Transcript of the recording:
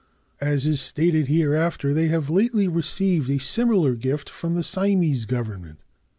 As is stated hereafter, they have lately received a similar gift from the Siamese Government.